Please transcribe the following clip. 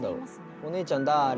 おねえちゃんだあれ？